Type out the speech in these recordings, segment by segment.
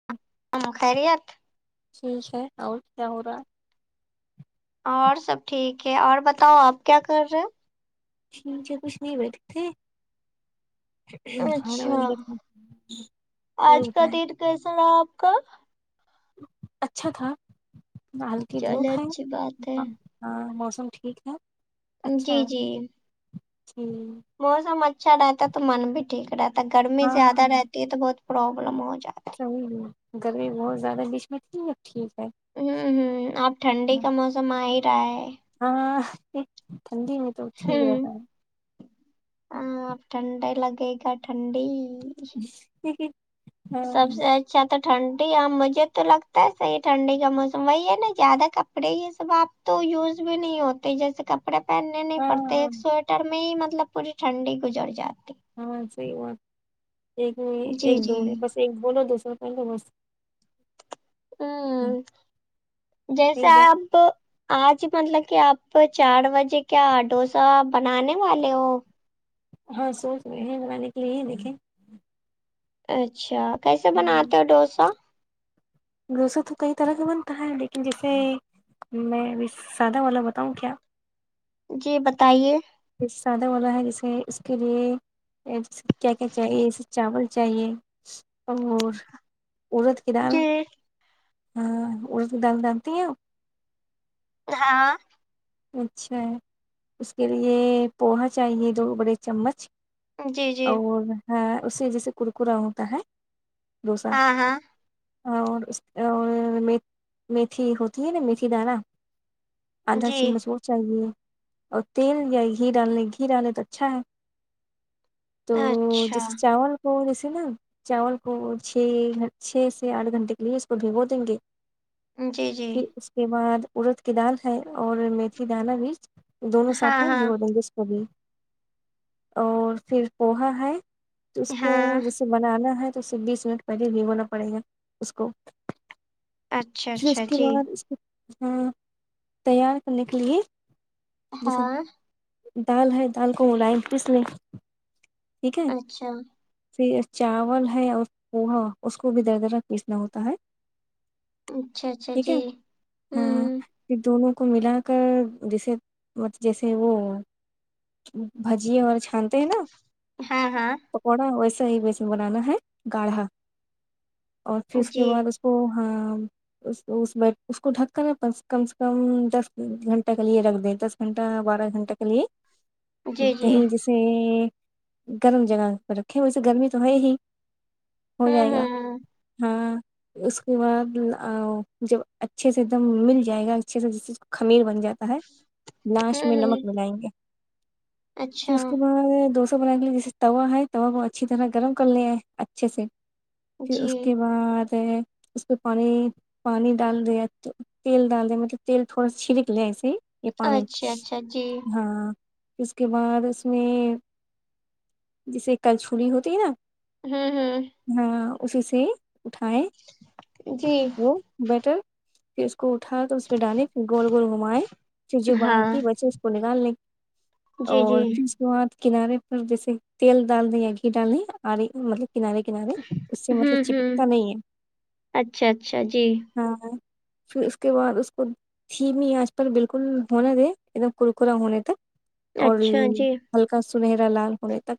[inaudible] ام خیریت ٹھیک ہے اور کیا ہو رہا ہے اور سب ٹھیک ہے اور بتاؤ آپ کیا کر رہے ٹھیک ہے کچھ نہیں بیٹھتے ہو کھانا اچھا وغیرہ اور بتیں کیسنا آپ کا اچھا تھا دال کی چلے دھوکھ ہے اچھی بات ہے ہاں موسم ٹھیک ہے جی اچھا جی جی موسم اچھا رہتا ہے تو من بھی ٹھیک رہتا ہے گرمی زیادہ ہاں رہتی ہے تو بہت پروابلم ہو جاتا گرمی بہت زیادہ بیچ میں تھی ب ٹھیک ہے ہوں ہوں اب ٹھنڈی کا موسم آ ہی رہا ہے ہاں تند م ہ ہاں ٹھنڈ لگے گا ٹھنڈی یک سب سے اچ اچھا تو ٹھنڈی ہ مجھے تو لگتا ہے صحیح ٹھنڈی کا موسم وہی ہے نا زیادہ کپڑے ہی یہ سب آپ تو یوز بھی نہیں ہوتی جیسے کہ کپڑے پہننے نہیں پڑتے ہاں ایک سویٹر میں ہی مطلب پوری ٹھنڈی گزر جاتی ہاں سی بات ایک ایک جی جی دوون بس ایک بولو دوسرا پہل بس ہوں جیسے صحیح جا آپ آج مطلب کہ آپ چار بجے کیا ڈوسا بنانے والے ہو ہاں سوچ رہے ہیں میںے کے لیے ہی دیکھے اچھا کیسے دیکھیں بناتے ہو ڈوسا گوسر تو کئی طرح کا بنتا ہے لیکن جیسے میں اب سادہ والا بتاؤں کیا جی بتائیے سادہ والا ہے جسے اس کے لیے کیا کیا چاہیے ایسے چاول چاہیے اور ارد کی دال جی ہاں ارد کی دال ڈالتی ہیں آپ ہاں اچھا اس کے لیے پوہا چاہیے دو بڑے چمچ جی جی اور ہاں اسے جیسے ککرا ہوتا ہے دوسہ ہاں ہاں اور اس اور میتھی ہوتی ہے نا میتھی دانا آدا جی چاہیے اور تیل یا گھی ڈالنے گھی ڈالے تو اچھا ہے تو اچھا جیسے چاول کو جیسے نا چاول کو چھ گ چھ سے آٹھ گھنٹے کے لیے اس کو بھگو دیں گے جی جی پھر اس کے بعد ارد کی دال ہے اور میتھی دانا مرچ دونوں ہاں ساتھ ہیں ہاں ہیرو ڈنگس کو بھی اور پھر پوہا ہے اس کو ہاں جیسے بنانا ہے تو اس سے بیس منٹ پہلے نہیں بھیگونا پڑے گا اس کو اچھا پھر اچھا اس کے جی بعد اس ہوں تیار کرنے کے لیے جیسے ہاں دال ہے دال کو ملائ پس نے ٹھیک ہے اچھا پھر چاول ہے اور پوہا اس کو بھی دردرک پیسنا ہوتا ہے اچھا اچھا ٹھیک ہے جی ہاں ہوں پھر دونوں کو ملا کر جیسے م جیسے وہ بھجیے اور چھانتے ہیں نا ہاں ہاں پکوڑا ویسا ہی بیسن بنانا ہے گاڑھا اور پھر اس کے جی بعد اس کو ہاں اس کو اس میں اس کو ڈھک کر کم سے کم دس گھنٹہ کے لیے رکھ دیں دس گھنٹہ بارہ گھنٹہ کے لیے جی جی کہیں جیسے گرم جگہ پر رکھے ویسے گرمی تو ہے ہی ہو جائے ہوں گا ہوں ہاں اس کے بعد جب اچھے سے دم مل جائے گا اچھے سے جب خمیل بن جاتا ہے ہ لاشٹ میں ہوں ہوں نمک ملائیں گے پھر اچھا اس کے بعد اس کو بنانے جیسے توا ہے توا کو اچھی طرح گرم کر لیے اچھے سے پھر اس جی کے بعد ہے اس پے پانی پانی ڈال دیا تیل ڈال دے مطلب تیل تھوڑا چھینک لے ایسے ہی یے پانی اچھا اچھا جی ہاں پھر اس کے بعد اس میں جیسے کلچھولی ہوتی ہے نا ہمم ہمم ہاں اسی سے اٹھائے جی وہ بٹر پھر اس کو اٹھا دو پھر ڈالے پھر گول گول گھمائے پھر جو ہاں باکی بچے اس کو نکالے جی اور جی پھر اس کے بعد کنارے پر جیسے تیل ڈال دیے گھی ڈال دیے آرے مطلب کنارے کنارے اس سے مطلب ہوں ہوں چپکتا نہیں ہے اچھا اچھا جی ہاں پھر اس کے بعد اس دھیمی آچ پر بالکل ہونا دے ایک دم کرکرا ہونے تک اور اچھا جی ہلکا سنہرا لال ہونے تک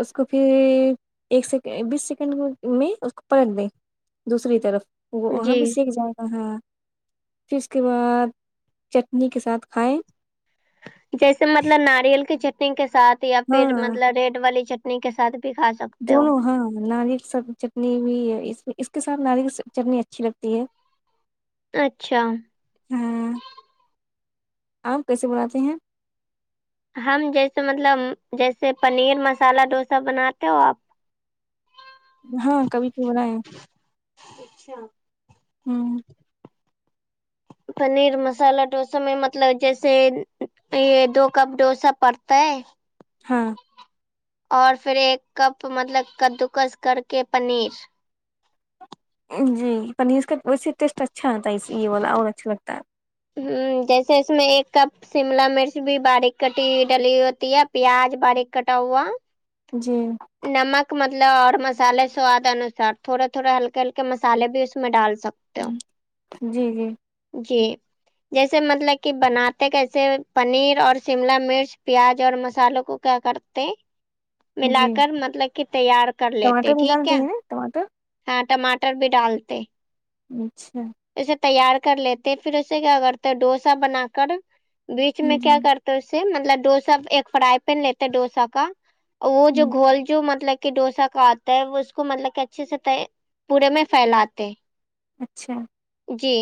اس کو پھر ایک سیکنڈ بیس سیکنڈ میں اس کو پلٹ دیں دوسری طرف وہ وہاں جی بھی سیک نتا ہا پھر اس کے بعد چٹنی کے ساتھ کھائیں جیسے مطلب ناریل کی چٹنی کے ساتھ یا پھر ہاں مطلب ریڈ والی چٹنی نی کے سھ بھی کھا سکتے ہو دونوں ہاں ناریل ساتھ چٹنی بھی ہے اس کے ساتھ ناریل چٹنی اچھی لگتی ہے اچھا ہمم آپ کیسے بناتے ہیں ہم جیسے مطلب جیسے پنیر مسالہ ڈوسا بناتے ہو آپ ہاں کبھی کبھی تو بناے ہے ہمم پنیر مسالہ ڈوسا میں مطلب جیسے تو یے دو کپ ڈوسا پڑتا ہے ہاں اور پھر ایک کپ مطلب کدوکس کر کے پنیر جی پنیر کا ویسے ٹیسٹ اچھا آتا ہے اس یے بوا اور اچھا لگتا ہے ہمم جیسے اس میں ایک کپ شملا مرچ بھی باریک کٹی ڈلی ہوتی ہے پیاز باریک کٹا ہوا جی نمک مطلب اور مسالے سواد انوسار تھوڑے تھوڑے ہلکے ہلکے مسالے بھی اس میں ڈال سکتے ہو جی جی جی جیسے مطلب کی بناتے کیسے پنیر اور شملا مرچ پیاز اور مسالوں کو کیا کرتے ملا جی کر مطلب کی تیار کر ٹماٹر لیتے بھی ڈال ٹھیک ہے دیں گے نا ٹماٹر ہاں ٹماٹر بھی ڈالتے اچھا اسے تیار کر لیتے پھر اسے کیا کرتے ڈوسا بنا کر بیچ میں کیا ہ کر سے مطلب ڈوسا ایک فرائی پین لیتے ڈوسا کا وہ جو گھول جو مطلب کہ ڈوسا کا آتا ہے وہ اس کو مطلب کہ اچھے سے پورے میں پھیلاتے اچھا جی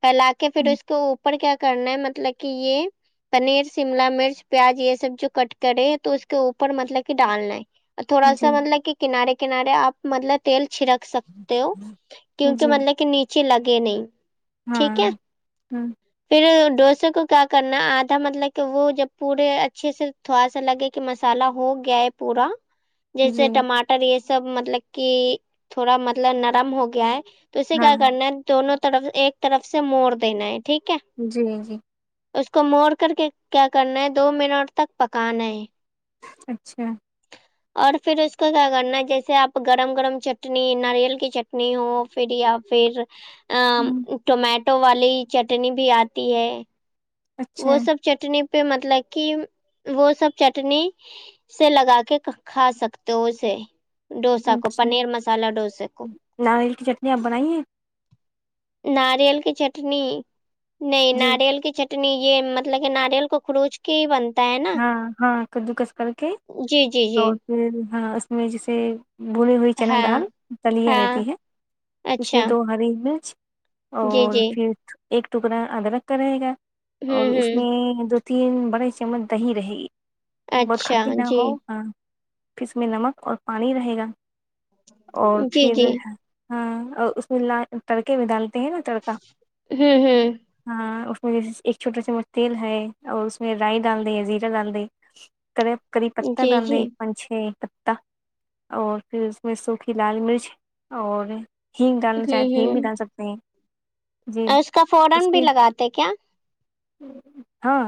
پھیلا کے فیر اس ہوں کو اوپر کیا کرنا ہے مطلب کی یے پنیر شملا مرچ پیاز یے سب جو کٹ کرے تو اس کے اوپر مطلب کی ڈالنا ہے تھوڑا جی سا مطلب کی کنارے کنارے آ مطلب تیل چھرک سکتے ہو کیونکی جی مطلب کی نیچے لگے نہیں ہاں ٹھیک ہے ہ فیر ڈوسے کو کیا کرنا آدھا مطلب کی وہ جب پورے اچھے سے تھوڑا سا لگے کی مسالہ ہو گیا ہے پورا [inaudible] جیسے ٹماٹر یے سب مطلب کی تھوڑا مطلب نرم ہو گیا ہے تو اسے ہاں کیا کرنا دونوں طرف ایک طرف سے موڑ دینا ہے ٹھیک ہے جی جی اس کو موڑ کر کے کیا کرنا ہے دو منٹ تک پکانا ہے اچھا اور فیر اس کو کیا کرنا جیسے آپ گرم گرم چٹنی ناریل کی چٹنی ہو فیر آپ فیر آ ہ ٹمیٹو والی چٹنی بھی آتی ہے اچھا وہ سب چٹنی پے مطلب کی وہ سب چٹنی سے لگا کے کھا سکتے ہو اسے ڈوسا کو اچھا پنیر مسالہ ڈوسے کو ناریل کی چٹنی آپ بنائیے ناریل کی چٹنی نہیں جی ناریل کی چٹ ٹنی یے مطلب کے ناریل کو کروچ کے ہی بنتا ہے نا ہاں ہاں کدو کس کر کے جی جی جی اور ہاں اس میں جیسے بھونی ہوئی چنا ہاں دال تلیا ہاں رہتی ہے اس اچھا میں دو ہری مرچ جی اور جی پھر ایک ٹکڑا ادرک کا رہے گا اور ہوں اس ہوں میں دو تین بڑے چمچ دہی رہے گی بہت اچھا کھٹی نہ جی ہو ہاں پھر اس میں نمک اور پانی رہے گا اور جی جی پھر ہاں اور اس میں ل تڑکے بھی ڈالتے ہیں نا تڑکا ہوں ہوں ہاں اس میں جیسے ایک چوٹا چمچ تیل ہے اور اس میں رائی ڈال دیں زیرا دلدے کری پتا جی جی دلدے پانچ چھ پتا اور فیر اس میں سوکھی لال مرچ اور ہنگ ڈالنا ہوں چاہتے ہنگ بھی ہوں ڈال سکتے ہیں جی اور اس کا فورا اس بھی کے لگاتے کیا ہاں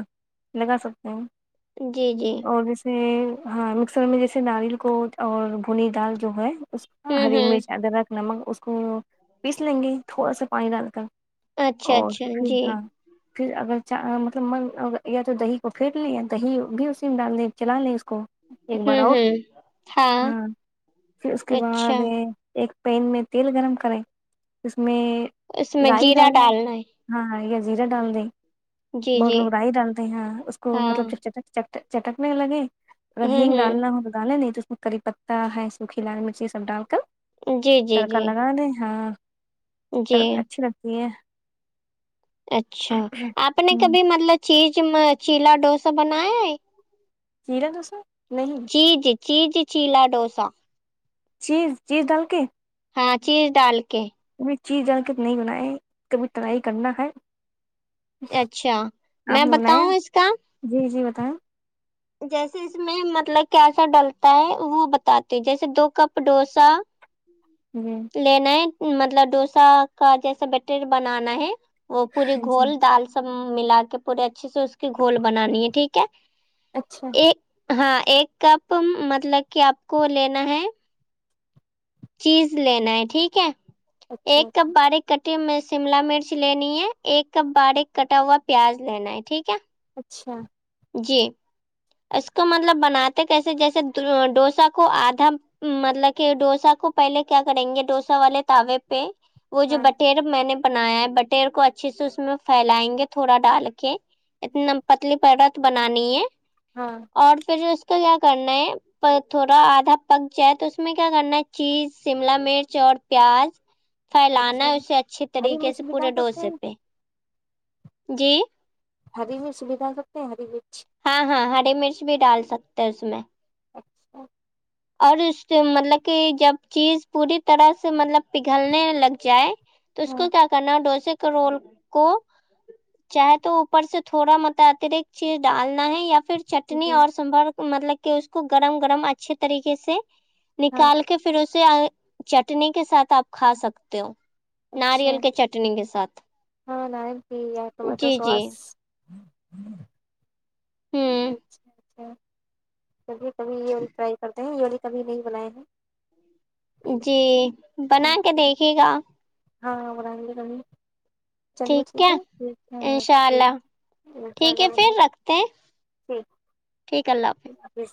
لگا سکتے ہیں جی جی اور جیسے ہاں مکسر میں جیسے ناریل کو اور بھنی دال جو ہے اس ہوں ہری ہوں مرچ ادرک نمک اس کو پیس لیں گے تھوڑا سا پانی ڈال کر اچھا اور اچھا پھر جی ہاں پھر اگر مطلب یا تو دہی کو پھٹ لیں یا دھی ہوگی اسی میں ڈال دیں چلا لیں اس کو ایک بار ہوں اور ہوں ہاں پھر اس کے بعد اچھا ایک پین میں تیل گرم کریں اس میں اس میں رائی جیرا ڈال نہ ڈالنا ہے ہاں یا زیرہ ڈال دیں جی بہت جی لوگ رائی ڈالتے ہیں اس کو ہاں مطلب چٹک چٹکنے لگے اگر ہوں ہنگ ڈالنا ہوں ہو تو ڈالیں نہیں تو اس کری پتا ہے سوکھی لال مرچی یے سب ڈال کر جی جی تڑکا جی لگا لیں ہاں تو جی اچھی لگتی ہے اچھا آپ نے ہ کبھی مطلب چیز چیلا ڈوسا بنایا ہے چیرلا دوسا نہیں چیج چیزضج چیلا ڈوسا چیز چیز ڈال کے ہاں چیز ڈال کے کبھی چیز دال کے نہیں بنائے کبھی ٹرائی کرنا ہے اچھا آپ میں نے بتاؤں اس کا جی جی بتائیں جیسے اس میں مطلب کیسا ڈلتا ہے وہ بتاتے جیسے دو کپ ڈوسا ہن لینا ہے مطلب ڈوسا کا جیسا بیٹر بنانا ہے وہ پوری جی گھول دال سے سب ملا کے پورے اچھے سے اس کی گھول بنانی ہے ٹھیک ہے اچھا ایک ہاں ایک کپ مطلب کہ آپ کو لینا ہے چیز لینا ہے ٹھیک ہے اچھا ایک کپ باریک کٹی شملا مرچ لینی ہے ایک کپ باریک کٹا ہوا پیاز لینا ہے ٹھیک ہے اچھا جی اس کو مطلب بناتے کیسے جیسے ڈوسا کو آدھا مطلب کہ ڈوسا کو پہلے کیا کریں گے ڈوسا والے تاوے پہ وہ جو ہاں بٹیر میں نے بنایا ہے بٹیر کو اچھے سے اس میں پھیلائیں گے تھوڑا ڈال کے اتنا اچھا پتلی پرت بنانی ہے ہاں اور فھر اس کا کیا کرنا ہے تھوڑا آدھا پک جائے تو اس میں کیا کرنا ہے چیز شملہ مرچ اور پیاز پھیلانا ہے اچھا اسے اچھے ہری طریقے مرچ سے بھی پورے ڈال سکتے ڈوسے ہیں پہ جی ہری مرچی بھی ڈال سکتے ہیں ہری مرچی ہاں ہاں ہری مرچ بھی ڈال سکتے ہے اس میں اچھا اور اسکے ملب کہ جب چیز پوری طرح سے ملب پگھلنے لگ جائے تو اس ہاں کو کیا کرنا ڈوسے کے رول کو چاہے تو اوپر سے تھوڑا ماتاترک چیز ڈالنا ہے یا پھر چٹنی جی اور سبر مطلب کہ اس کو گرم گرم اچھی طریقے سے ہاں نکال کے کہ پھر اسے چٹنی کے ساتھ آپ کھا سکتے ہو اچھا ناریل کے چٹنی کے ساتھ ہاں نائن بھی یا ٹومیٹو جی جی سوس ہوں اچھا [unintelligible] اچھا کبھی کبھی یہلی ٹرائی کرتے ہیں یہ ہولی کبھی نہیں بنائے ہیں جی بنا کے جی دیکھے گا ہاں [unintelligible] بنانے گے چلیے ٹھیک ہے ہاں انشاء ٹھیک اللہ ان شاء ٹھیک ہے اللہ پھر بنائیں گے رکھتے ہیں ٹھیک اللہ حافظ وس